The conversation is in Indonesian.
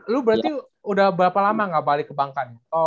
lu berarti udah berapa lama gak balik ke bangkang